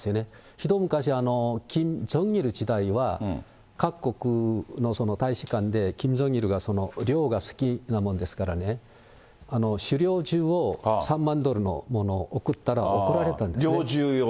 ひと昔、キム・ジョンイルの時代は、各国大使館でキム・ジョンイルが猟が好きなものですからね、狩猟銃を３万ドルのものを贈ったら怒られたんですね。